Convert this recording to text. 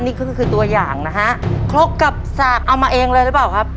นี่ก็คือตัวอย่างนะฮะครกกับสากเอามาเองเลยหรือเปล่าครับ